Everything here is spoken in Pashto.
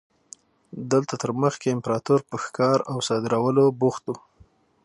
دلته تر مخکې امپراتور په ښکار او صادرولو بوخت و.